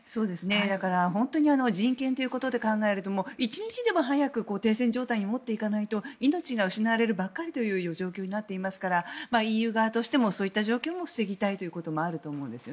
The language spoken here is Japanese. だから本当に人権ということで考えると一日でも早く停戦状態に持っていかないと命が失われるばかりという状況になっていますからＥＵ側としてもそういった状況を防ぎたいということがあると思うんです。